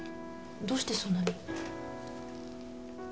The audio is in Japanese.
どうしてそんなに？